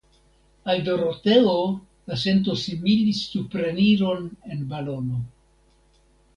Al Doroteo la sento similis supreniron en balono.